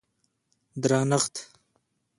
درنښت